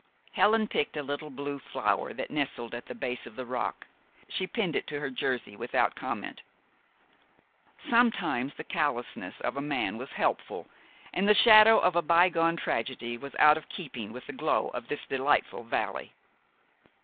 Helen picked a little blue flower that nestled at the base of the rock. She pinned it to her jersey without comment. Sometimes the callousness of a man was helpful, and the shadow of a bygone tragedy was out of keeping with the glow of this delightful valley.